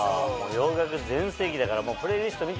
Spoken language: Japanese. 洋楽全盛期だからプレイリスト見てもいい？